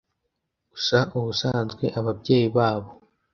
gusa ubusanzwe ababyeyi babo